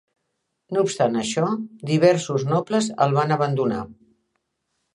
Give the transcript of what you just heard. No obstant això, diversos nobles el van abandonar.